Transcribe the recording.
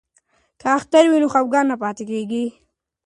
که اختر وي نو خفګان نه پاتیږي.